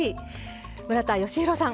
村田吉弘さん